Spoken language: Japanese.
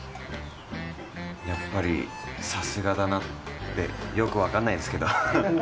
やっぱり、さすがだなってよく分かんないんですけど、ハハハ。